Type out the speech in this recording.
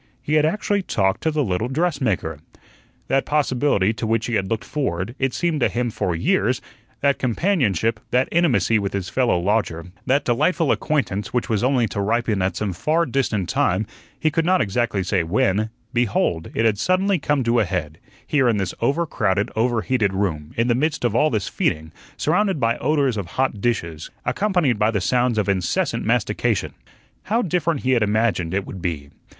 He had actually talked to the little dressmaker. That possibility to which he had looked forward, it seemed to him for years that companionship, that intimacy with his fellow lodger, that delightful acquaintance which was only to ripen at some far distant time, he could not exactly say when behold, it had suddenly come to a head, here in this over crowded, over heated room, in the midst of all this feeding, surrounded by odors of hot dishes, accompanied by the sounds of incessant mastication. How different he had imagined it would be!